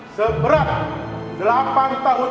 seberat delapan tahun